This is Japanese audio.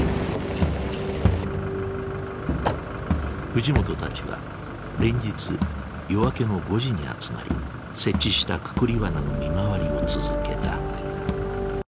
藤本たちは連日夜明けの５時に集まり設置したくくりワナの見回りを続けた。